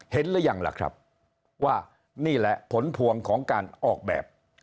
หรือยังล่ะครับว่านี่แหละผลพวงของการออกแบบ